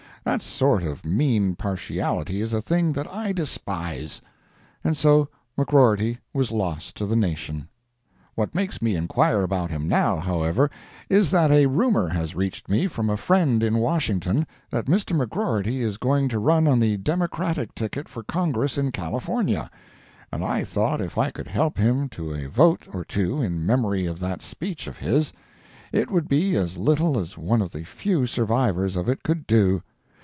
That sort of mean partiality is a thing that I despise. And so McGrorty was lost to the nation. What makes me inquire about him now, however, is that a rumor has reached me from a friend in Washington that Mr. McGrorty is going to run on the Democratic ticket for Congress in California, and I thought if I could help him to a vote or two in memory of that speech of his, it would be as little as one of the few survivors of it could do.